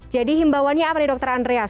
jadi himbawannya apa nih dokter andrea